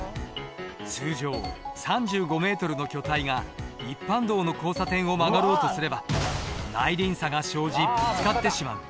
通常３５ｍの巨体が一般道の交差点を曲がろうとすれば内輪差が生じぶつかってしまう。